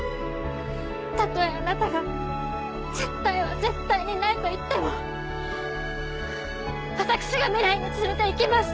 たとえあなたが「絶対」は絶対にないと言っても私が未来に連れて行きます！